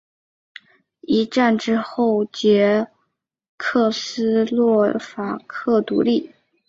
一战之后捷克斯洛伐克独立。